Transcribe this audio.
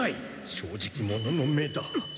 正直者の目だ。